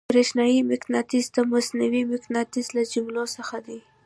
برېښنايي مقناطیس د مصنوعي مقناطیس له جملې څخه دی.